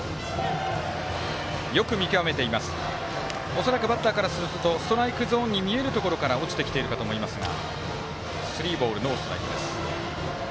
恐らくバッターからするとストライクゾーンに見えるところから落ちてきていると思いますが。